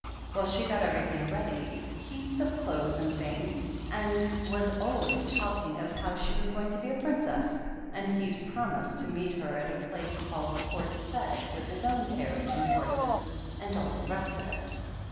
Well, she got ever)rthing ready — ^heaps of clothes and things — ^and was always talking of how she was going to be a princess, and he'd promised to meet her at a place called Port Said with his own carriage and horses and all the rest of it.